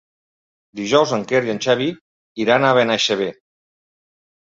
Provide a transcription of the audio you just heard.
Dijous en Quer i en Xavi iran a Benaixeve.